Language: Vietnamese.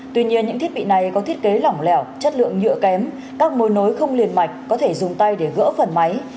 tuy nhiên những thiết bị này có thiết kế lỏng lẻo chất lượng nhựa kém các mối nối không liền mạch có thể dùng tay để gỡ phần máy